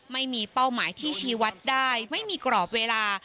ไม่มีเป้าหมายที่ชี้วัดได้ไม่มีกรอบเวลา